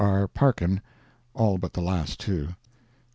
Parkin), all but the last two.